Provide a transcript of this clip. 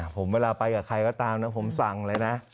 ผมเวลาไปกับใครก็ตามนะผมสั่งเลยนะ